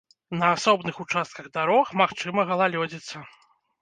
На асобных участках дарог магчыма галалёдзіца.